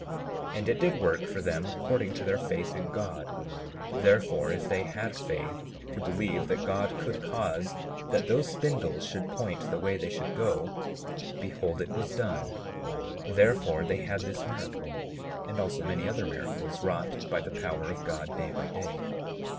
37:40 And it did work for them according to their faith in God; therefore, if they had faith to believe that God could cause that those spindles should point the way they should go, behold, it was done; therefore they had this miracle, and also many other miracles wrought by the power of God, day by day.